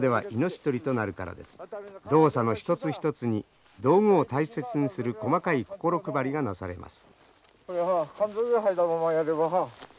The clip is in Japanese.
動作の一つ一つに道具を大切にする細かい心配りがなされます。